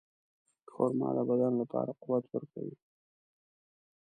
خرما د بدن لپاره قوت ورکوي.